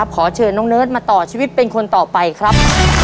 ขอเชิญน้องเนิร์ดมาต่อชีวิตเป็นคนต่อไปครับ